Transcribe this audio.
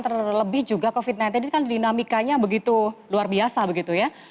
terlebih juga covid sembilan belas ini kan dinamikanya begitu luar biasa begitu ya